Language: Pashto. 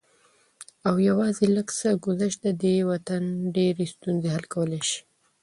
او يوازې لږ څه ګذشت د دې وطن ډېرې ستونزې حل کولی شي